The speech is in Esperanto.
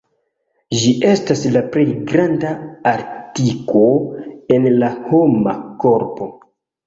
Ĝi estas la plej granda artiko en la homa korpo.